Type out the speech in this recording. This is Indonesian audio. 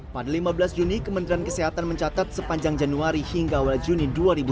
pada lima belas juni kementerian kesehatan mencatat sepanjang januari hingga awal juni dua ribu dua puluh